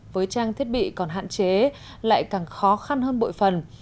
với trang thiết bị còn hạn chế lại càng khó khăn hơn bội phần